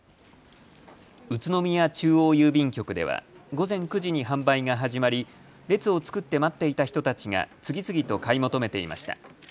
宇都宮中央郵便局では午前９時に販売が始まり列を作って待っていた人たちが次々と買い求めていました。